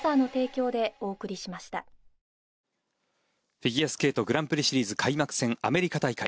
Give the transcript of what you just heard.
フィギュアスケートグランプリシリーズ開幕戦アメリカ大会。